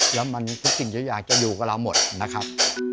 แล้วมันทุกสิ่งทุกอย่างจะอยู่กับเราหมดนะครับ